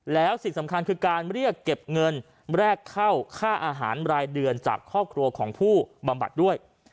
แล้วสิ่งสำคัญคือการเรียกเก็บเงินแรกเข้าค่าอาหารรายเดือนจากครอบครัวของผู้บำบัดด้วย